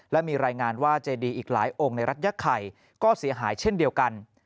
และมีรายงานว่าเจดีอีกหลายองค์ในรัฐยะไข่ก็เสียหายเช่นเดียวกัน